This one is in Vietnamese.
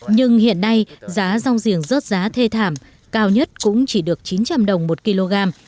nhưng hiện nay giá rong giềng rớt giá thê thảm cao nhất cũng chỉ được chín trăm linh đồng một kg